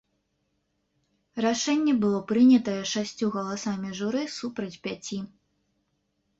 Рашэнне было прынятае шасцю галасамі журы супраць пяці.